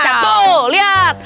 nah tuh lihat